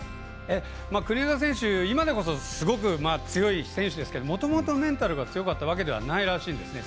国枝選手、今でこそすごく強い選手ですけれどももともとメンタルが強かったわけではないらしいんですね。